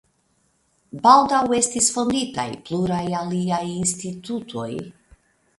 Baldaŭ estis fonditaj pluraj aliaj institutoj.